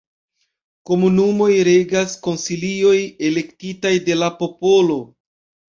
Komunumojn regas konsilioj elektitaj de la popolo.